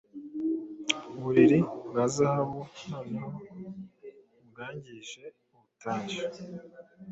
uburiri bwa zahabuNoneho bwangije ubutayu